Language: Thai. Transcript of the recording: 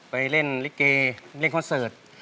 ไปเล่นลิเกเล่นคอนเสิร์ต